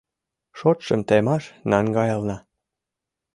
Шотшым темаш наҥгаялна.